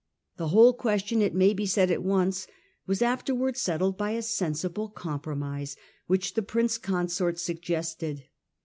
The whole question, it may be said at once, was afterwards settled by a sensible compromise which the Prince Consort suggested.